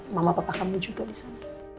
mama papa kamu juga disana